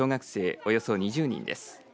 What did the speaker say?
およそ２０人です。